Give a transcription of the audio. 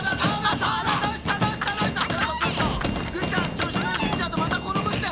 ちょうしのりすぎちゃうとまたころぶって！